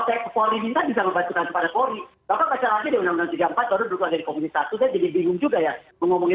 otak poli ini kan bisa membantukan kepada poli